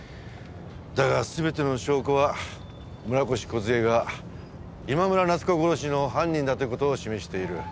だが全ての証拠は村越梢が今村奈津子殺しの犯人だという事を示している。